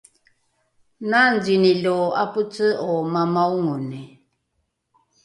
nangzini lo ’apece’o mamaongoni?